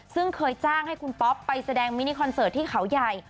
ซึ่งเคยจ้างให้คุณป๊อปไปแสดงมินิคอนเสิร์ตที่เขาใหญ่